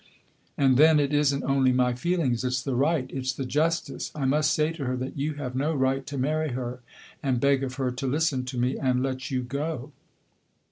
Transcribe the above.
And then, it is n't only my feelings; it 's the right; it 's the justice. I must say to her that you have no right to marry her; and beg of her to listen to me and let you go."